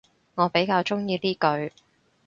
我比較鍾意呢句